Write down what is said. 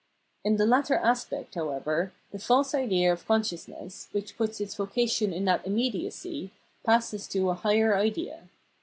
In the latter aspect, however, the false idea of consciousness, which puts its vocation in that immediacy, passes to a higher idea.